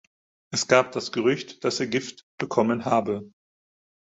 Es gab das Gerücht, dass er Gift bekommen habe.